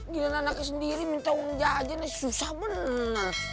gila anaknya sendiri minta uang jajanan susah bener